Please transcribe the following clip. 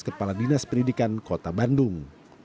kepala dinas pendidikan kota bandung